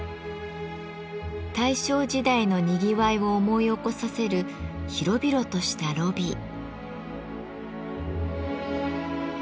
大正時代のにぎわいを思い起こさせる広々としたロビー。